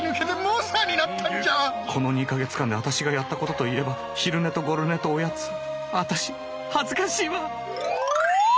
この２か月間でアタシがやったことといえば昼寝とゴロ寝とおやつアタシ恥ずかしいわっ。